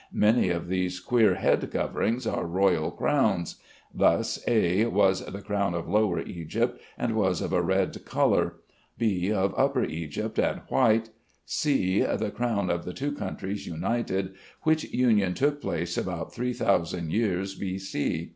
Many of these queer head coverings are royal crowns. Thus, a was the crown of Lower Egypt, and was of a red color; b, of Upper Egypt, and white; c, the crown of the two countries united, which union took place about 3000 years B.C.